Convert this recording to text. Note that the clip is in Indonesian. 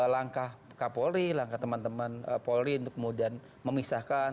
langkah kapolri langkah teman teman polri untuk kemudian memisahkan